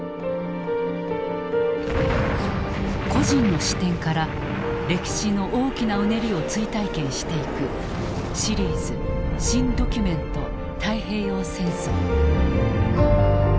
個人の視点から歴史の大きなうねりを追体験していく「シリーズ新・ドキュメント太平洋戦争」。